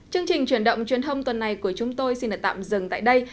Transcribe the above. chương trình truyền động truyền thông tuần này của chúng tôi xin được tạm dừng tại đây